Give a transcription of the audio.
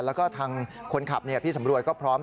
แล้วก็ทางคนขับพี่สำรวยก็พร้อม